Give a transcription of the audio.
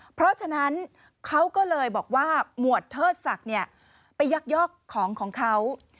เพราะฉะนั้นเขาก็เลยบอกว่าหมวดเทิดศักดิ์ไปยักยอกของของเขา